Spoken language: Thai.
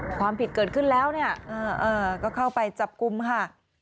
ความผิดเกิดขึ้นแล้วเนี่ยก็เข้าไปจับกลุ่มค่ะ